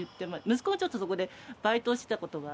息子がちょっとそこでバイトをしてた事が。